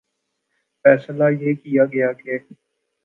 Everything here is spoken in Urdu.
فیصلہ یہ کیا گیا کہ